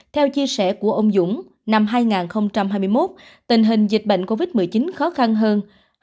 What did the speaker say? theo chia sẻ của ông dũng năm hai nghìn hai mươi một tình hình dịch bệnh covid một mươi chín khó khăn hơn